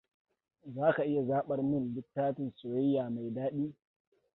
Za ka iya zaɓar min littafin soyayya me daɗi?